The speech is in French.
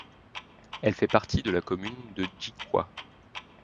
Elle fait partie de la commune de Njikwa.